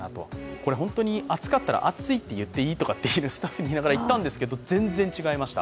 これホントに暑かったら暑いって言っていい？って言いながら行ったんですけど、全然違いました。